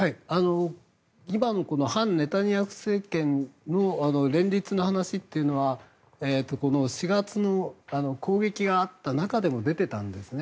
今の反ネタニヤフ政権の連立の話というのは４月の攻撃があった中でも出ていたんですね。